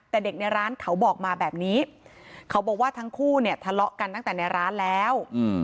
แต่เด็กในร้านเขาบอกมาแบบนี้เขาบอกว่าทั้งคู่เนี่ยทะเลาะกันตั้งแต่ในร้านแล้ว